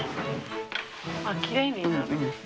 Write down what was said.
あきれいになる。